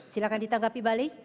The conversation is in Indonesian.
silahkan ditanggapi balik